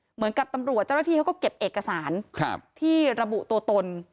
เหมือนกับตำรวจเจ้าหน้าที่เขาก็เก็บเอกสารที่ระบุตัวตน